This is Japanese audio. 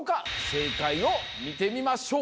正解を見てみましょう。